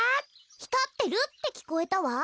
ひかってるってきこえたわ。